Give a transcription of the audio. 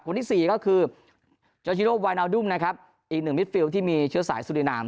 ที่สี่ก็คือโจชิโรวายนาวดุ้มนะครับอีกหนึ่งมิดฟิลที่มีเชื้อสายสุรินาม